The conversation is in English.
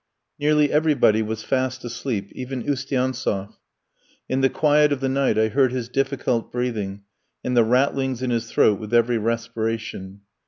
Nearly everybody was fast asleep, even Oustiantsef; in the quiet of the night I heard his difficult breathing, and the rattlings in his throat with every respiration.